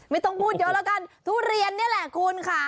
ไม่ต้องพูดเยอะแล้วกันทุเรียนนี่แหละคุณค่ะ